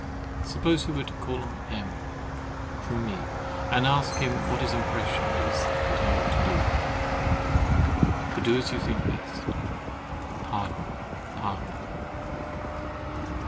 Suppose you were to call on M—— from me, and ask him what his impression is that I ought to do. But do as you think best. Pardon, pardon.